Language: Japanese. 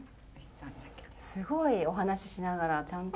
すごいお話ししながらちゃんと。